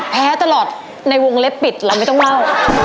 แพ้ตลอดในวงเล็บปิดเราไม่ต้องเล่า